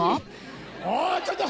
おちょっと！